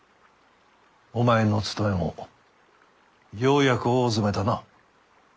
お前のつとめもようやく大詰めだな。